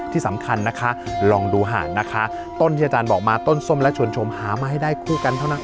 ที่สำคัญนะคะลองดูหาดนะคะต้นที่อาจารย์บอกมาต้นส้มและชวนชมหามาให้ได้คู่กันเท่านั้น